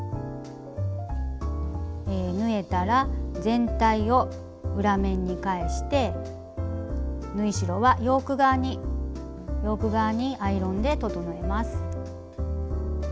縫えたら全体を裏面に返して縫い代はヨーク側にアイロンで整えます。